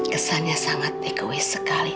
kesannya sangat egois sekali